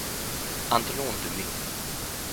Antes non o entendín.